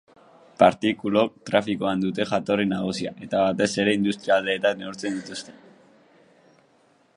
Partikulok trafikoan dute jatorri nagusia, eta batez ere industrialdeetan neurtzen dituzte.